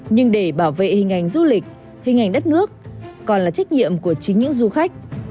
nhưng để bảo vệ hình ảnh du lịch hình ảnh đất nước còn là trách nhiệm của chính những du khách